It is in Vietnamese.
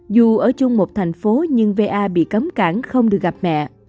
dù ở chung một thành phố nhưng va bị cấm cảng không được gặp mẹ